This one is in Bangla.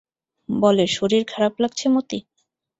বলে, শশীর খারাপ লাগছে মতি?